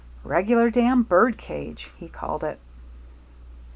"Regular damn bird cage," he called it.